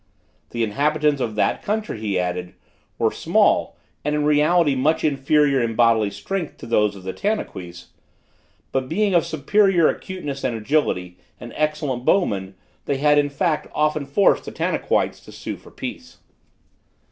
The inhabitants of that country, he added, were small, and in reality much inferior in bodily strength to those of Tanaquis; but being of superior acuteness and agility, and excellent bowmen, they had in fact, often forced the Tanaquites to sue for peace.